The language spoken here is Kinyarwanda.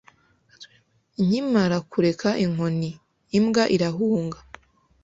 nkimara kureka inkoni, imbwa irahunga